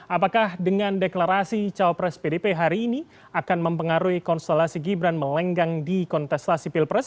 apakah dengan deklarasi cawapres pdp hari ini akan mempengaruhi konstelasi gibran melenggang di kontestasi pilpres